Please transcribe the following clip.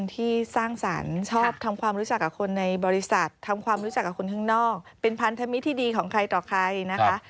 ทำความรู้จักกับคนข้างนอกเป็นพันธมิตรที่ดีของใครต่อใครนะคะ